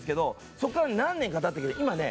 そこから何年か経ったけど今ね